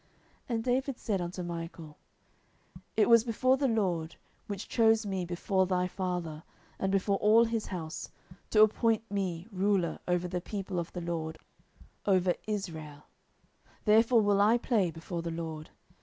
10:006:021 And David said unto Michal, It was before the LORD, which chose me before thy father, and before all his house, to appoint me ruler over the people of the LORD, over Israel: therefore will I play before the LORD.